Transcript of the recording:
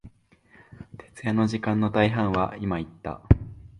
徹夜の時間の大半は、今言った、